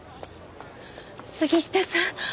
杉下さん！